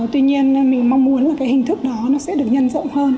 tuy nhiên mình mong muốn là cái hình thức đó nó sẽ được nhân rộng hơn